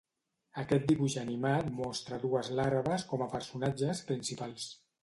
Aquest dibuix animat mostra dues larves com a personatges principals.